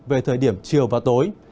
về thời điểm chiều và tối